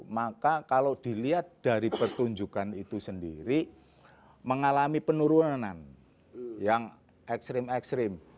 maka kalau dilihat dari pertunjukan itu sendiri mengalami penurunan yang ekstrim ekstrim